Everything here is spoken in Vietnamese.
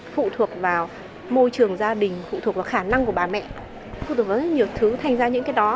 phụ thuộc vào môi trường gia đình phụ thuộc vào khả năng của bà mẹ phụ thuộc vào rất nhiều thứ thành ra những cái đó